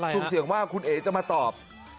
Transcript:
สุ่มเสี่ยงว่าคุณเอ๋จะมาตอบ